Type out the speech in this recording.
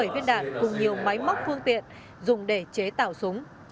bảy viên đạn cùng nhiều máy móc phương tiện dùng để chế tạo súng